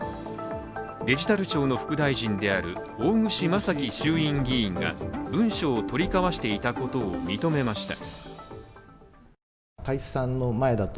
デジタル庁の副大臣である大串正樹衆院議員が文書を取り交わしていたことを認めました。